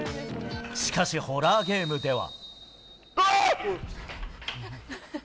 しかしホラーゲームでは。